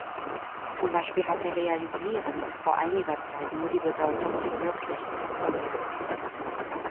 Zum Beispiel hatte "realisieren" bis vor einiger Zeit nur die Bedeutung „verwirklichen, umsetzen“.